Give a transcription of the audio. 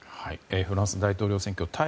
フランス大統領選挙対